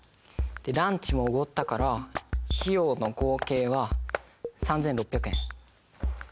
ランチもおごったから費用の合計は３，６００円。